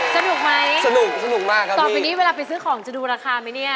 สนุกไหมสนุกสนุกมากครับต่อไปนี้เวลาไปซื้อของจะดูราคาไหมเนี่ย